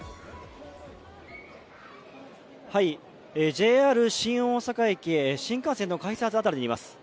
ＪＲ新大阪駅、新幹線の改札あたりにいます。